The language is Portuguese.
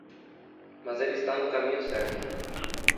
Mas ele está no caminho certo.